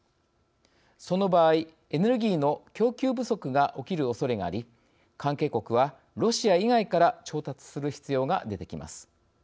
その場合、エネルギーの供給不足が起きるおそれがあり関係国は、ロシア以外から調達する必要が出てきます。